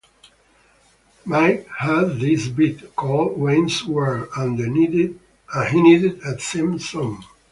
"Mike had this bit, called "Wayne's World", and he needed a theme song.